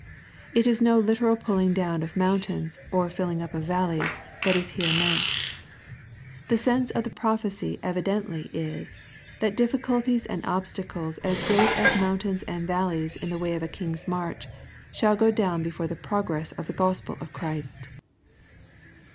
It is no literal pulling down of mountains, or filling up of valleys, that is here meant The sense of the prophecy evidently is, that difficulties and obstacles as great as mountains and valleys in the way of a king's march, shall go down before the progress of the GK>spel of Christ.